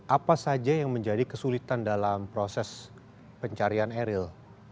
apa saja yang menjadi kesulitan dalam proses pencarian eril